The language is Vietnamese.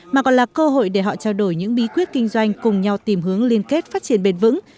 mà còn là cơ hội để họ trao đổi những bí quyết kinh doanh cùng nhau tìm hướng liên kết phát triển bền vững